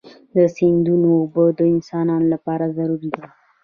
د سیندونو اوبه د انسانانو لپاره ضروري دي.